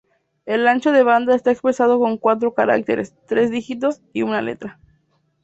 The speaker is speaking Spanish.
El ancho de banda está expresado con cuatro caracteres: tres dígitos y una letra.